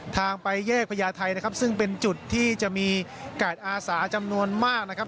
ทางไปแยกพญาไทยนะครับซึ่งเป็นจุดที่จะมีกาดอาสาจำนวนมากนะครับ